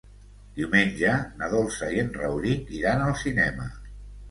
Diumenge na Dolça i en Rauric iran al cinema.